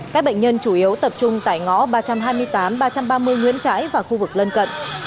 các bệnh nhân chủ yếu tập trung tại ngõ ba trăm hai mươi tám ba trăm ba mươi nguyễn trãi và khu vực lân cận